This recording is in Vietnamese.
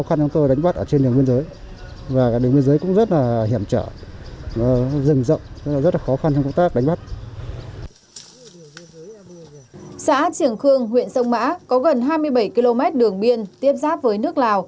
là con thương xã triều khương huyện sông mã có gần hai mươi bảy km đường biên tiếp giáp với nước lào có nhiều đường mòn đường tiểu ngạch thuận lợi cho các đối tượng mua bán vận chuyển ma tuy từ bên kia biên giới vào nội địa